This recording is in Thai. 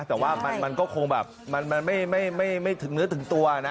แต่ว่ามันก็คงแบบมันไม่ถึงเนื้อถึงตัวนะ